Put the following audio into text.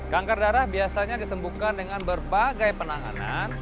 kanker darah biasanya disembuhkan dengan berbagai penanganan